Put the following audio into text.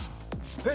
えっ！？